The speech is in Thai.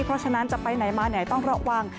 เพราะฉะนั้นจะไปไหนมาไหนต้องระวัง